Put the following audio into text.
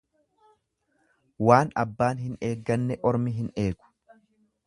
Waan abbaan hin eegganne ormi hin eegu.